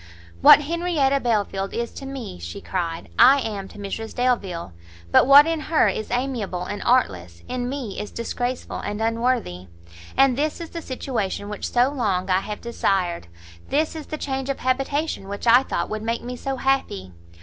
"What Henrietta Belfield is to me," she cried, "I am to Mrs Delvile! but what in her is amiable and artless, in me is disgraceful and unworthy. And this is the situation which so long I have desired! This is the change of habitation which I thought would make me so happy!